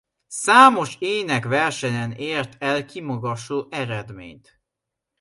Számos énekversenyen ért el kimagasló eredményt.